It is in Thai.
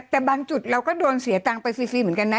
แต่บางจุดเราก็โดนเสียตังค์ไปฟรีเหมือนกันนะ